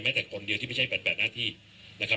แม้แต่คนเดียวที่ไม่ใช่แบบหน้าที่นะครับ